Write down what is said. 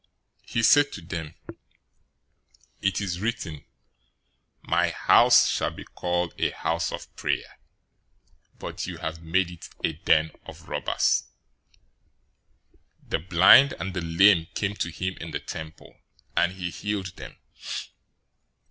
021:013 He said to them, "It is written, 'My house shall be called a house of prayer,'{Isaiah 56:7} but you have made it a den of robbers!"{Jeremiah 7:11} 021:014 The blind and the lame came to him in the temple, and he healed them.